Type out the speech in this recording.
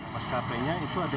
mas kpm nya itu ada dua